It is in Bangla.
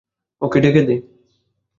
ওকে ডেকে দে।